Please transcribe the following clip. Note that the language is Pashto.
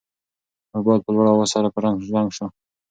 موبایل په لوړ اواز سره په زنګ شو.